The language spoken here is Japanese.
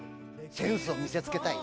センスを見せつけたい？